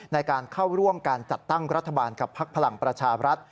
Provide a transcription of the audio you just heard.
ในการเข้าร่วมการจัดตั้งรัฐบาลกับพักพลังประชาบรัฐ